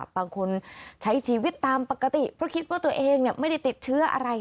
บางคนใช้ชีวิตตามปกติเพราะคิดว่าตัวเองไม่ได้ติดเชื้ออะไร